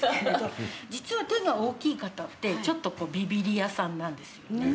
実は手が大きい方ってちょっとビビり屋さんなんですよね。